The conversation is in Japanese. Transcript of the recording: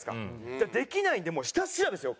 だからできないのでもう下調べですよ。